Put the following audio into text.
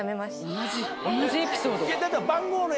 同じエピソード。